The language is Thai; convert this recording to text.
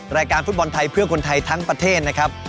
รายการฟุตบอลไทยเพื่อคนไทยทั้งประเทศนะครับ